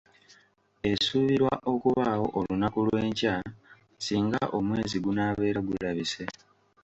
Esuubirwa okubaawo olunaku lw'enkya singa omwezi gunaabera gulabise.